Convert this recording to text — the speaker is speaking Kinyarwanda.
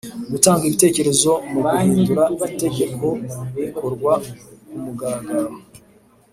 Gutanga ibitekerezo mu guhindura itegeko bikorwa kumugaragaro.